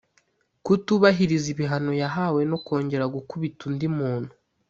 kutubahiriza ibihano yahawe no kongera gukubita undi muntu